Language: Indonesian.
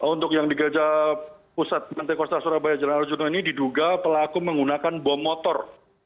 untuk yang di gereja pusat pantai kota surabaya jalan arjuna ini diduga pelaku menggunakan bom motor